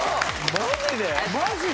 マジで！？